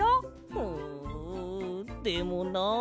うんでもな。